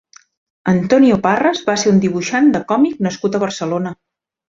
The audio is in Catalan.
Antonio Parras va ser un dibuixant de còmic nascut a Barcelona.